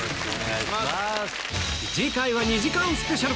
次回は２時間スペシャル！